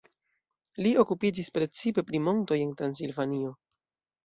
Li okupiĝis precipe pri montoj en Transilvanio.